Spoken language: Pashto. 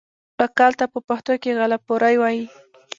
بقال ته په پښتو کې غله پلوری وايي.